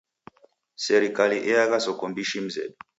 Serikali eagha soko mbishi mzedu.